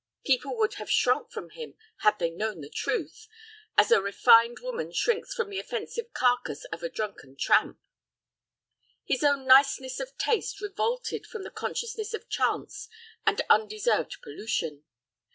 People would have shrunk from him had they known the truth, as a refined woman shrinks from the offensive carcass of a drunken tramp. His own niceness of taste revolted from the consciousness of chance and undeserved pollution.